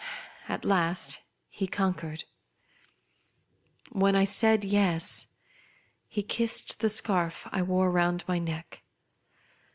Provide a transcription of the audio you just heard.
At last he conquered. When I said " Yes," he kissed the scarf I wore round my neck.